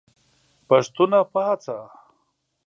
پښتونه پاڅه !